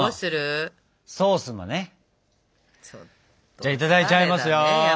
じゃあいただいちゃいますよ。